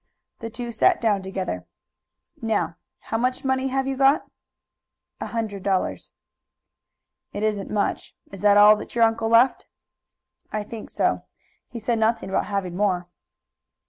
The two sat down together. "Now, how much money have you got?" "A hundred dollars." "It isn't much. Is that all that your uncle left?" "I think so. He said nothing about having more."